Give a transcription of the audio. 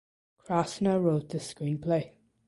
Krasna wrote the screenplay.